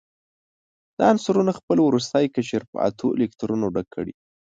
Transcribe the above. دا عنصرونه خپل وروستی قشر په اتو الکترونونو ډک کړي.